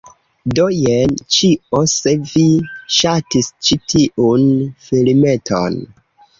Do jen ĉio! Se vi ŝatis ĉi tiun filmeton